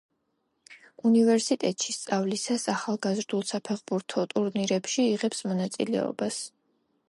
უნივერსიტეტში სწავლისას, ახალგაზრდულ საფეხბურთო ტურნირებში იღებს მონაწილეობას.